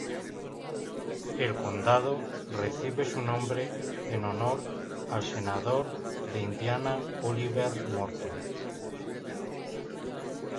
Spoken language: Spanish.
El condado recibe su nombre en honor al Senador de Indiana Oliver Morton.